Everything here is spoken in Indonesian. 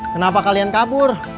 kenapa kalian kabur